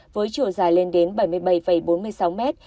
với chiều dài lên đến bảy mươi bảy bốn mươi sáu mét